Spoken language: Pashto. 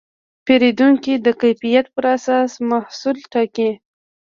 پیرودونکي د کیفیت پر اساس محصول ټاکي.